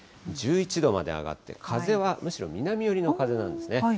１１度まで上がって、風はむしろ南寄りの風なんですね。